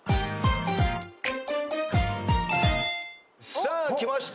さあきました